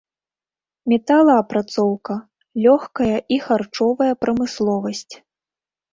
Металаапрацоўка, лёгкая і харчовая прамысловасць.